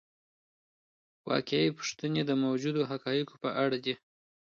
واقعي پوښتنې د موجودو حقایقو په اړه دي.